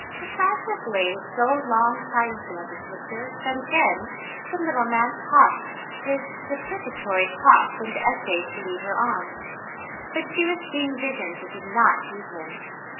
Cassandra gazed so long sil^^ntly at this picture that again the little man coughed his deprecatory cough and essayed to lead her on ; but she was seeing visions and did not heed him.